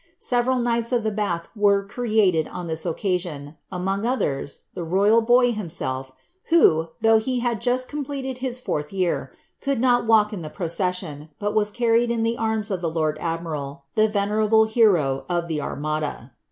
Several knights of the Balh were cre3:K on liiis occasion; among others, the royal boy himself, who, though *ie had just completed his Ibnrlh year, could not walk in the processKm. but was carried in the arms of the lord admiral, the venerable hero rf ilie Armada.